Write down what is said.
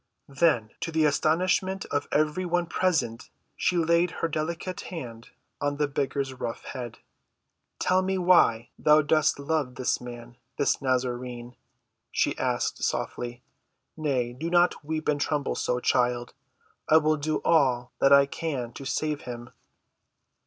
Then to the astonishment of every one present she laid her delicate hand on the beggar's rough head. "Tell me why thou dost love this man—this Nazarene?" she asked softly. "Nay, do not weep and tremble so, child. I will do all that I can to save him."